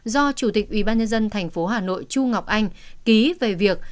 do chủ tịch ủy ban nhân dân thành phố hà nội chu ngọc anh ký về việc